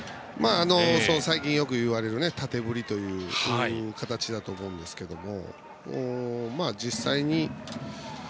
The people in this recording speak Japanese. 最近よく言われる縦振りという形だと思うんですけれども。